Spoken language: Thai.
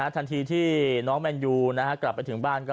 ทันทีที่น้องแมนยูกลับไปถึงบ้าน